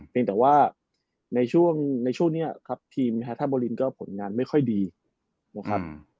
เป็นแต่ว่าในช่วงในช่วงนี้ครับทีมแฮท่าโบรินก็ผลงานไม่ค่อยดีนะครับ